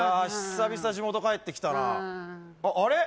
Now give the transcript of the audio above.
久々地元帰ってきたなあああれ？